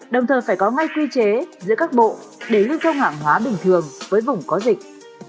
đồng thời phải có ngay quy chế giữa các bộ để lưu thông hàng hóa bình thường với vùng có dịch